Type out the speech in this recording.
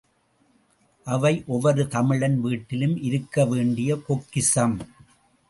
அவை ஒவ்வொரு தமிழன் வீட்டிலும் இருக்க வேண்டிய பொக்கிஷம்.